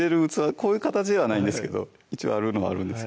こういう形ではないんですけど一応あるのはあるんですよ